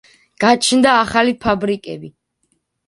გაჩნდა ახალი ფაბრიკები.